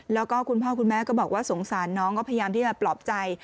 แล้วก็คุณพ่อคุณแม่ก็บอกว่าสงสารน้องก็พยายามที่จะปลอบใจ